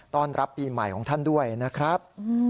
ต้อนรับปีใหม่ของท่านด้วยนะครับ